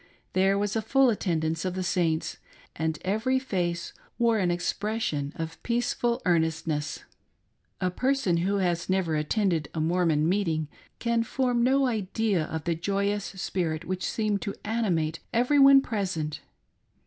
There was a full attendance of the Saints, and every face wore an expression of peaceful earnestness. A person who has never attended a Mormon meeting can form no idea of the joyous spirit which seemed to animate every one present.